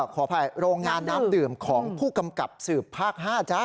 ขออภัยโรงงานน้ำดื่มของผู้กำกับสืบภาค๕จ๊ะ